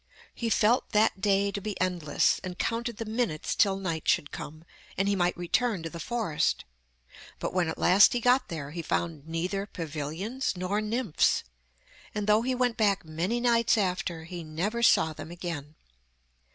He felt that day to be endless, and counted the minutes till night should come, and he might return to the forest. But when at last he got there he found neither pavilions nor nymphs, and though he went back many nights after he never saw them again.